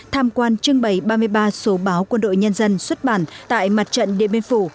tham quan trưng bày ba mươi ba số báo quân đội nhân dân xuất bản tại mặt trận điện biên phủ